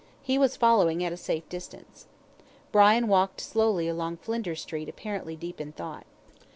He was following at a safe distance. Brian walked slowly along Flinders Street apparently deep in thought.